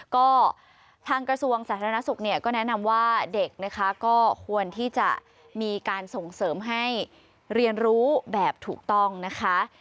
ก็ทางกระทรวงสาธารณสุขเนี่ยก็แนะนำว่าเด็กนะคะก็ควรที่จะมีการส่งเสริมให้เรียนรู้แบบถูกต้องนะคะ